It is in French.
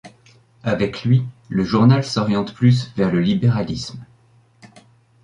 Avec lui, le journal s'oriente plus vers le libéralisme.